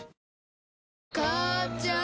母ちゃん